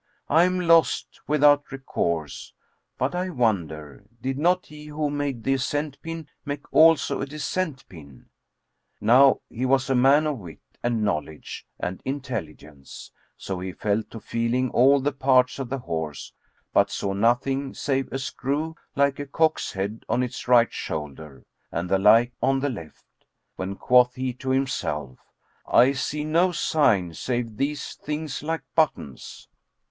I am lost without recourse; but I wonder, did not he who made the ascent pin make also a descent pin?" Now he was a man of wit and knowledge and intelligence; so he fell to feeling all the parts of the horse, but saw nothing save a screw, like a cock's head, on its right shoulder and the like on the left, when quoth he to himself, "I see no sign save these things like buttons."